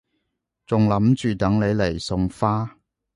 仲諗住等你嚟送花